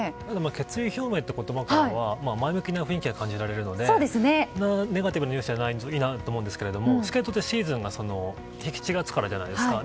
決意表明って言葉からは前向きな雰囲気が感じられるのでネガティブなニュースじゃないといいなと思うんですがスケートってシーズンが７月からじゃないですか。